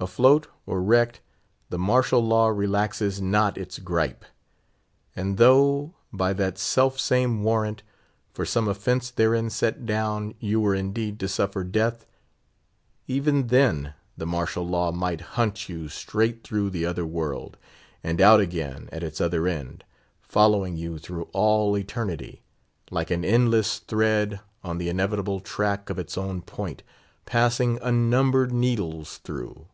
Afloat or wrecked the Martial Law relaxes not its gripe. And though, by that self same warrant, for some offence therein set down, you were indeed to "suffer death," even then the Martial Law might hunt you straight through the other world, and out again at its other end, following you through all eternity, like an endless thread on the inevitable track of its own point, passing unnumbered needles through.